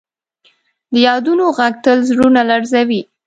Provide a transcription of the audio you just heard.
د یادونو ږغ تل زړونه لړزوي.